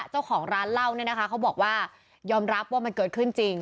เจ้าของร้านเหล้าเนี่ยนะคะเขาบอกว่ายอมรับว่ามันเกิดขึ้นจริง